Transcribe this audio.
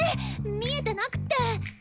見えてなくって。